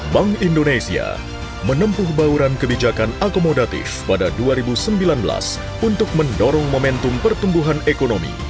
bank indonesia menempuh bauran kebijakan akomodatif pada dua ribu sembilan belas untuk mendorong momentum pertumbuhan ekonomi